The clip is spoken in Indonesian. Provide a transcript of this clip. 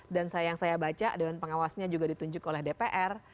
dan yang saya baca doan pengawasnya juga ditunjuk oleh dpr